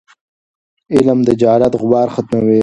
علم د جهالت غبار ختموي.